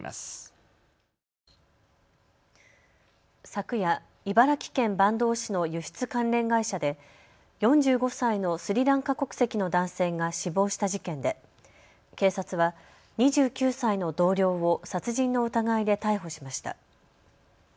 昨夜、茨城県坂東市の輸出関連会社で４５歳のスリランカ国籍の男性が死亡した事件で警察は２９歳の同僚を殺人の疑いで逮捕しました。